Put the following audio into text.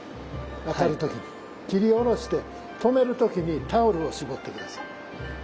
斬り下ろして止める時にタオルを絞って下さい。